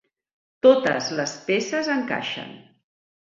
Totes les peces encaixen.